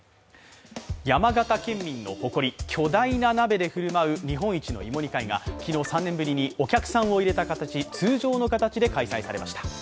山形県民の誇り、巨大な鍋で振る舞う日本一の芋煮会が昨日、３年ぶりにお客さんを入れた形通常の形で開催されました。